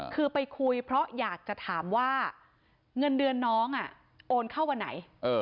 คือไปคุยเพราะอยากจะถามว่าเงินเดือนน้องโอนเข้าวันไหน